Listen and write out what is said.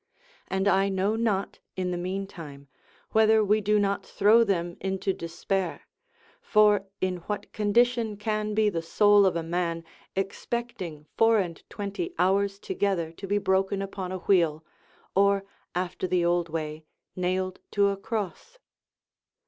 And I know not, in the meantime, whether we do not throw them into despair; for in what condition can be the soul of a man, expecting four and twenty hours together to be broken upon a wheel, or after the old way, nailed to a cross?